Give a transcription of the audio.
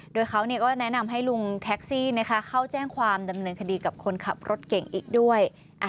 โดยเขาก็แนะนำให้ลุงแท็กซี่เข้าแจ้งความดำเนินคดีกับคนขับรถเก่งอีกด้วย